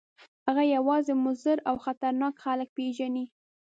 هغه یوازې مضر او خطرناک خلک پېژني.